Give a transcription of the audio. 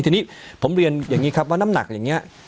ทีนี้ผมเรียนว่าน้ำหนักอย่างนี้